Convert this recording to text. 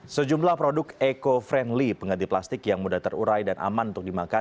sejumlah produk eco friendly pengganti plastik yang mudah terurai dan aman untuk dimakan